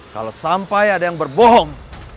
kalau sampai ada yang berbohong